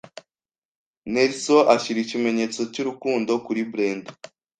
Nelson ashyira ikimenyetso cy’urukundo kuri Brendah